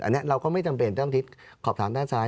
อันนี้เราก็ไม่จำเป็นต้องทิศขอบถามด้านซ้าย